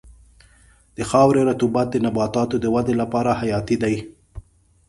د خاورې رطوبت د نباتاتو د ودې لپاره حیاتي دی.